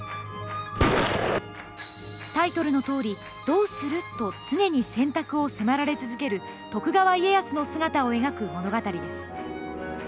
タイトルのとおり、どうすると常に選択を迫られ続ける徳川家康の姿を描く物語です。